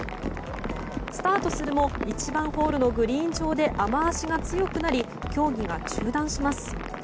スタートするも１番ホールのグリーン上で雨脚が強くなり競技が中断します。